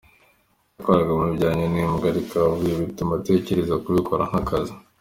Yakoraga mu bijyanye n’imbwa ariko ahavuye bituma atekereza kubikora nk’akazi.